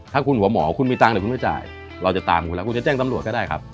ถ้าคุณหัวหมอคุณมีตังค์เดี๋ยวคุณไม่จ่ายเราจะตามคุณแล้วคุณจะแจ้งตำรวจก็ได้ครับ